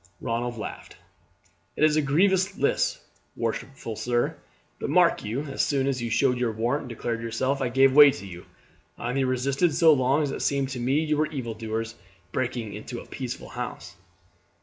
Ronald laughed. "It is a grievous list, worshipful sir; but mark you, as soon as you showed your warrant and declared yourself I gave way to you. I only resisted so long as it seemed to me you were evildoers breaking into a peaceful house."